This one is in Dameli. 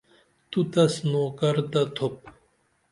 تو تس نوکر تہ تُھوپ